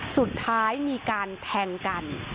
สุดท้ายมีการแทงกัน